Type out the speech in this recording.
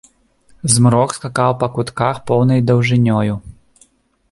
Змрок скакаў па кутках поўнай даўжынёю.